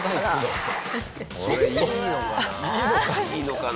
いいのかな？